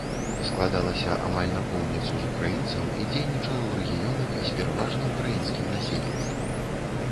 Складалася амаль напоўніцу з украінцаў і дзейнічала ў рэгіёнах з пераважна ўкраінскім насельніцтвам.